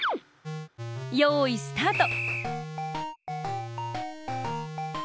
よいスタート！